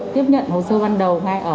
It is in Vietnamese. tiếp nhận hồ sơ ban đầu ngay ở